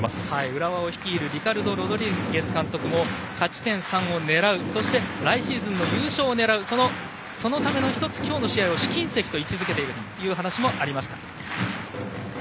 浦和を率いるリカルド・ロドリゲス監督も勝ち点３を狙うシーズンの優勝を狙うそのための１つきょうの試合を試金石と位置づけているという話もありました。